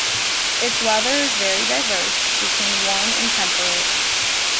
Its weather is very diverse, between warm and temperate.